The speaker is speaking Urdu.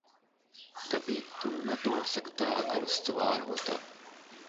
کبھی تو نہ توڑ سکتا اگر استوار ہوتا